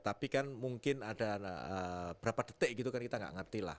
tapi kan mungkin ada berapa detik gitu kan kita nggak ngerti lah